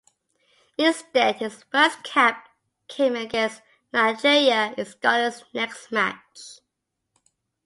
Instead his first cap came against Nigeria in Scotland's next match.